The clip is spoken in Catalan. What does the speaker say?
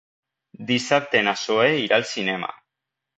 Dissabte na Zoè irà al cinema.